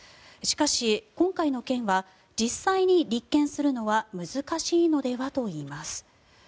しかし、今回の件は実際に立件するのは難しいのではといいます。